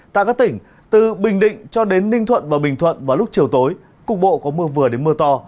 tại các tỉnh từ bình định cho đến ninh thuận và bình thuận vào lúc chiều tối cục bộ có mưa vừa đến mưa to